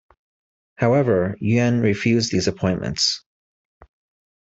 However, Yuan refused these appointments.